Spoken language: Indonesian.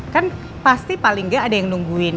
kan pasti paling nggak ada yang nungguin